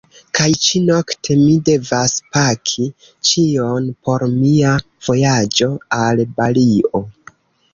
Kaj ĉi-nokte mi devas paki ĉion por mia vojaĝo al Balio.